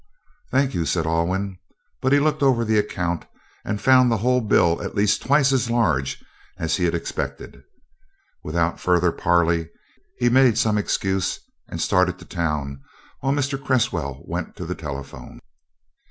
"Thank you," said Alwyn, but he looked over the account and found the whole bill at least twice as large as he expected. Without further parley, he made some excuse and started to town while Mr. Cresswell went to the telephone.